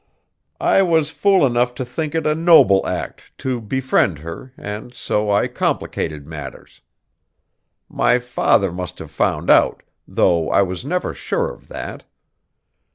I was fool enough to think it a noble act to befriend her and so I complicated matters. My father must have found out, though I was never sure of that.